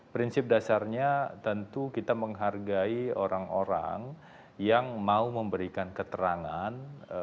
prinsip dasarnya tentu kita menghargai orang orang yang mau memberikan keterangan